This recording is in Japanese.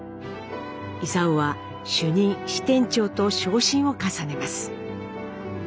勲は主任支店長と昇進を重ねます。